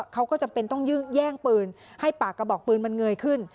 เขาก็จำเป็นต้องแย่งปืนให้ปากกระบอกปืนมันเงยขึ้น